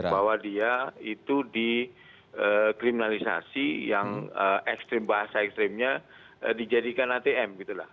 bahwa dia itu dikriminalisasi yang ekstrim bahasa ekstrimnya dijadikan atm